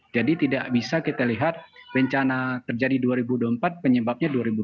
jadi tidak bisa kita lihat bencana terjadi dua ribu dua puluh empat penyebabnya dua ribu dua puluh empat